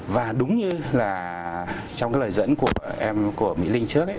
và đúng như là trong cái lời dẫn của em của mỹ linh trước ấy